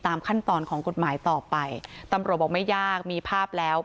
ขั้นตอนของกฎหมายต่อไปตำรวจบอกไม่ยากมีภาพแล้ว